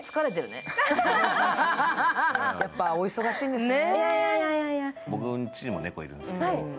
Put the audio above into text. やっぱお忙しいんですね。